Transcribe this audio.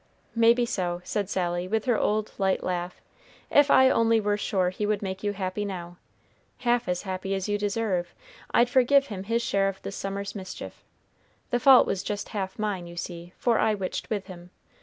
"Maybe so," said Sally, with her old light laugh. "If I only were sure he would make you happy now, half as happy as you deserve, I'd forgive him his share of this summer's mischief. The fault was just half mine, you see, for I witched with him.